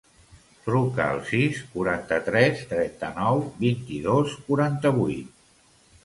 Truca al sis, quaranta-tres, trenta-nou, vint-i-dos, quaranta-vuit.